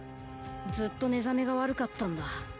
ずっと寝覚めが悪かったんだ。